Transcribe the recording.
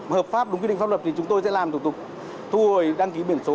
hợp pháp đúng quy định pháp luật thì chúng tôi sẽ làm thủ tục thu hồi đăng ký biển số